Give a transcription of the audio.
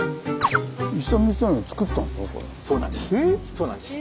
そうなんです。